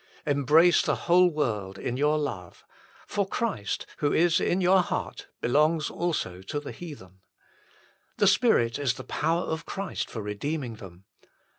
Embrace the whole world in your love ; for Christ, who is in your heart, belongs also to the heathen. The Spirit is the power of Christ for redeeming them.